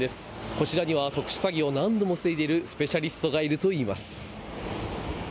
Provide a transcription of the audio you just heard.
こちらには特殊詐欺を何度も防いでいるスペシャリストがいるといいます。